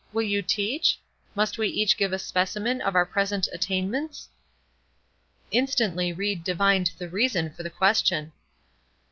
Will you teach? Must we each give a specimen of our present attainments?" Instantly Ried divined the reason for the question.